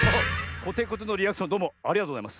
コテコテのリアクションどうもありがとうございます。